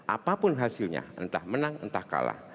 apapun hasilnya entah menang entah kalah